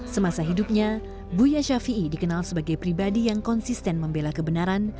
semasa hidupnya buya shafi'i dikenal sebagai pribadi yang konsisten membela kebenaran